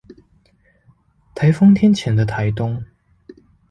颱風天前的台東